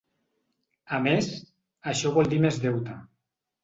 A més, això vol dir més deute.